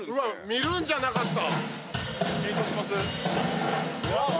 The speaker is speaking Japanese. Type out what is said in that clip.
見るんじゃなかった。